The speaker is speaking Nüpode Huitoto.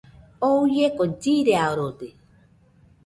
Oo uieko chiriarode.